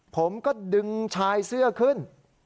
ผมก็ดึงชายเสื้อขึ้น